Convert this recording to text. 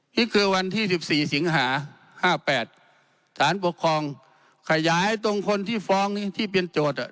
นี่คือวันที่สิบสี่สิงหาห้าแปดฐานปกครองขยายตรงคนที่ฟ้องนี้ที่เปลี่ยนโจทย์อ่ะ